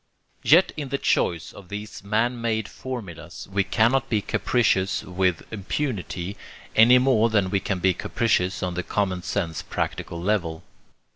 Yet in the choice of these man made formulas we cannot be capricious with impunity any more than we can be capricious on the common sense practical level.